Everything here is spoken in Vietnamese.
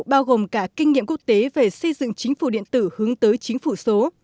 bao gồm cả kinh nghiệm quốc tế về xây dựng chính phủ điện tử hướng tới chính phủ số